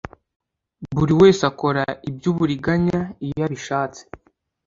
Buri wese akora ibyuburiganya iyo abishatse